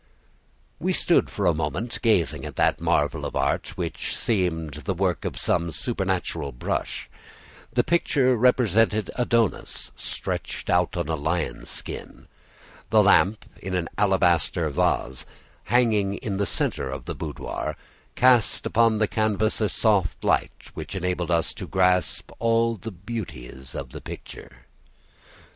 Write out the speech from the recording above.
We stood for a moment gazing at that marvel of art, which seemed the work of some supernatural brush. The picture represented Adonis stretched out on a lion's skin. The lamp, in an alabaster vase, hanging in the centre of the boudoir, cast upon the canvas a soft light which enabled us to grasp all the beauties of the picture.